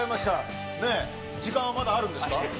時間はまだあるんですか？